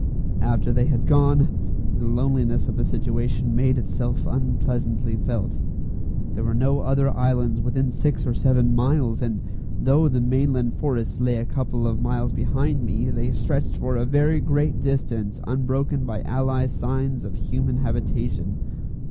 After they had gone, the loneliness of the situation made itself unpleasantly felt. There were no other islands within six or seven miles, and though the mainland forests lay a couple of miles behind me, they stretched for a very great distance unbroken by any signs of human habitation.